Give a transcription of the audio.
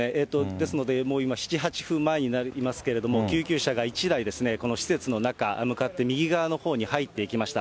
ですので、もう今、７、８分前になりますけれども、救急車が１台ですね、この施設の中、向かって右側のほうに入っていきました。